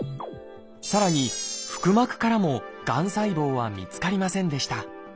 さらに腹膜からもがん細胞は見つかりませんでした。